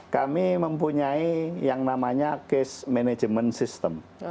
kami mempunyai yang namanya case management system